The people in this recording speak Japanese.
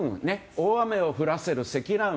大雨を降らせる積乱雲